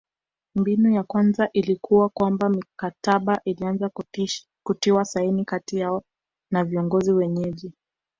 Mbinu ya kwanza ilikuwa kwamba mikataba ilianza kutiwa saini kati yao na viongozi wenyeji